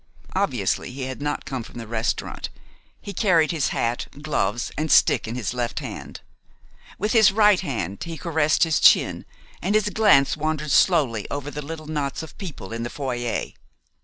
Obviously, he had not come from the restaurant. He carried his hat, gloves, and stick in his left hand. With his right hand he caressed his chin, and his glance wandered slowly over the little knots of people in the foyer.